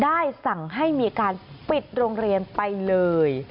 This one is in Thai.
ได้สั่งให้มีการปิดโรงเรียนไปเลย